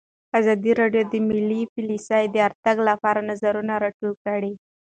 ازادي راډیو د مالي پالیسي د ارتقا لپاره نظرونه راټول کړي.